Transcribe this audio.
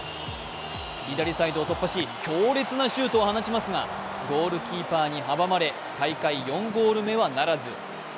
左サイドを突破し強烈なシュートを放ちますがゴールキーパーに阻まれ大会４ゴール目はならず。